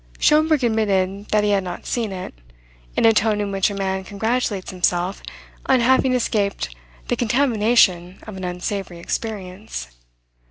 Schomberg admitted that he had not seen it, in a tone in which a man congratulates himself on having escaped the contamination of an unsavoury experience.